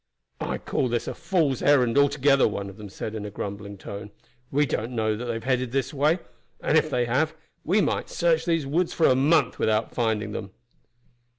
"I call this a fool's errand altogether," one of them said in a grumbling tone. "We don't know that they have headed this way; and if they have, we might search these woods for a month without finding them."